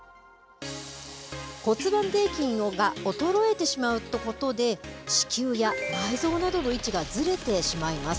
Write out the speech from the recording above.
骨盤底筋が衰えてしまうことで、子宮や内臓などの位置がずれてしまいます。